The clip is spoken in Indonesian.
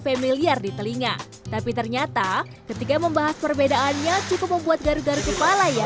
familiar di telinga tapi ternyata ketika membahas perbedaannya cukup membuat garu garu kepala ya